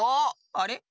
あれ？